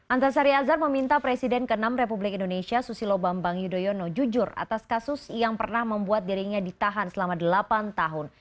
antasari azhar meminta presiden ke enam republik indonesia susilo bambang yudhoyono jujur atas kasus yang pernah membuat dirinya ditahan selama delapan tahun